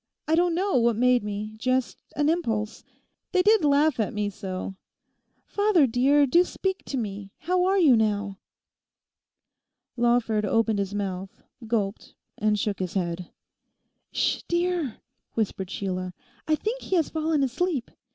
I don't know what made me; just an impulse; they did laugh at me so. Father dear—do speak to me; how are you now?' Lawford opened his mouth, gulped, and shook his head. 'Ssh, dear!' whispered Sheila, 'I think he has fallen asleep.